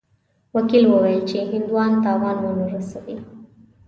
وکیل وویل چې هندوان تاوان ونه رسوي.